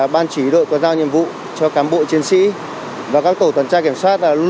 ban chỉ đội có giao nhiệm vụ cho cám bộ chiến sĩ và các tổ tuần tra kiểm soát